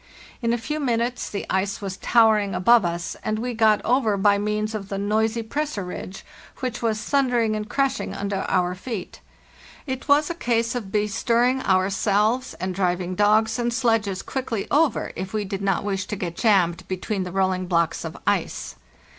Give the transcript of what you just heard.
In a few minutes the ice was towering above us, and we got over by means of the noisy pressure ridge, which was thundering and crashing under our feet. It was a case of bestirring ourselves and driving dogs and _ sledges quickly over if we did not wish to get jammed between the rolling blocks of ice.